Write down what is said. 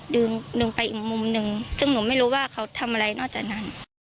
ดึงดึงไปอีกมุมหนึ่งซึ่งหนูไม่รู้ว่าเขาทำอะไรนอกจากนั้น